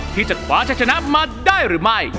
ที่จะคว้าชะชนะมาได้หรือไม่